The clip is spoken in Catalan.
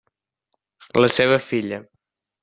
La seva filla.